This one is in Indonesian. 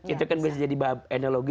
itu kan bisa jadi bab analogi